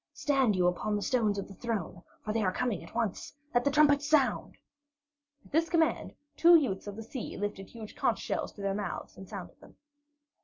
Stand you upon the steps of the throne, for they are coming at once. Let the trumpets sound!" At this command, two youths of the sea lifted huge conch shells to their mouths and sounded them.